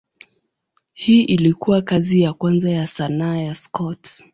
Hii ilikuwa kazi ya kwanza ya sanaa ya Scott.